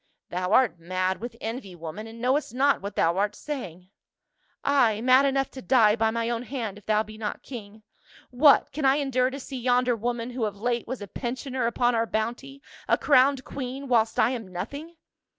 " Thou art mad with envy, woman, and knowest not what thou art saying." " Ay, mad enough to die by my own hand if thou be not king. What, can I endure to see yonder woman, who of late was a pensioner upon our bounty, a crowned queen, whilst I am nothing?"